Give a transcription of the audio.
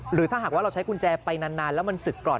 หรือถ้าหากว่าเราใช้กุญแจไปนานแล้วมันศึกก่อน